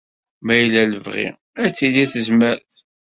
Ma yella lebɣi, ad tili tezmert.